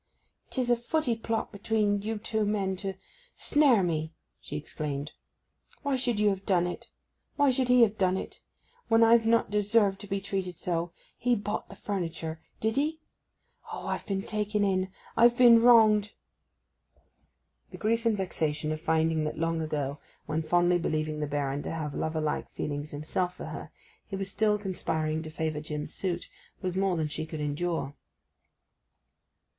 ''Tis a footy plot between you two men to—snare me!' she exclaimed. 'Why should you have done it—why should he have done it—when I've not deserved to be treated so. He bought the furniture—did he! O, I've been taken in—I've been wronged!' The grief and vexation of finding that long ago, when fondly believing the Baron to have lover like feelings himself for her, he was still conspiring to favour Jim's suit, was more than she could endure.